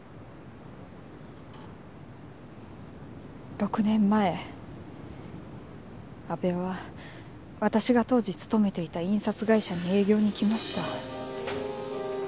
６年前阿部は私が当時勤めていた印刷会社に営業に来ました。